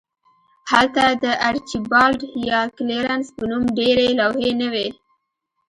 هلته د آرچیبالډ یا کلیرنس په نوم ډیرې لوحې نه وې